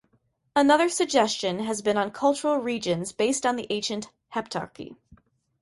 Another suggestion has been on cultural regions based on the ancient Heptarchy.